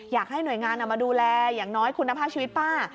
อยากให้หน่วยงานมาดูแลอย่างน้อยคุณภาพชีวิตป้า